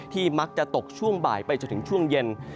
มักจะตกช่วงบ่ายไปจนถึงช่วงเย็น